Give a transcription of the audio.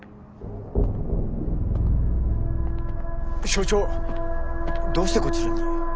署長どうしてこちらに？